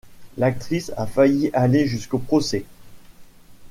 L'actrice a failli aller jusqu'au procès.